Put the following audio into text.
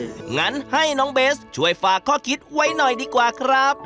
อย่างนั้นให้น้องเบสช่วยฝากข้อคิดไว้หน่อยดีกว่าครับ